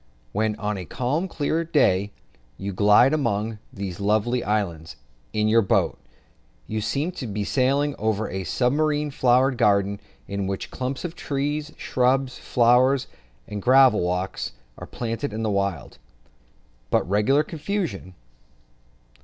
When on a calm, clear day, you glide among these lovely islands, in your boat, you seem to be sailing over a submarine flower garden, in which clumps of trees, shrubs, flowers, and gravel walks, are planted in wild, but regular confusion.